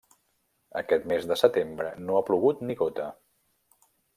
Aquest mes de setembre no ha plogut ni gota.